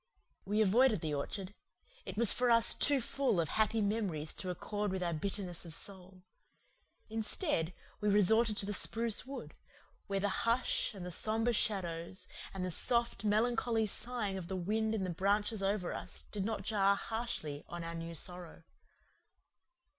We avoided the orchard; it was for us too full of happy memories to accord with our bitterness of soul. Instead, we resorted to the spruce wood, where the hush and the sombre shadows and the soft, melancholy sighing of the wind in the branches over us did not jar harshly on our new sorrow.